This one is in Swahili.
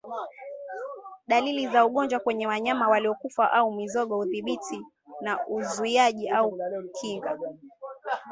dalili za ugonjwa kwa wanyama waliokufa au mizoga udhibiti na uzuiaji au kinga